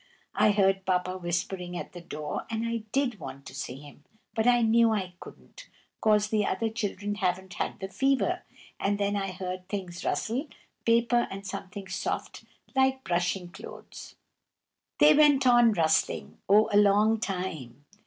I heard Papa whispering at the door, and I did want to see him, but I knew I couldn't, 'cause the other children haven't had the fever: and then I heard things rustle, paper and something soft, like brushing clothes. They went on rustling, oh, a long time!